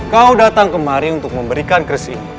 kau datang kemari untuk memberikan kersih